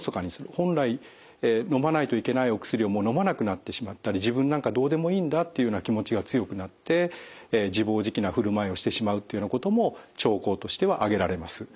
本来のまないといけないお薬をもうのまなくなってしまったり自分なんかどうでもいいんだというような気持ちが強くなって自暴自棄なふるまいをしてしまうというようなことも兆候としては挙げられます。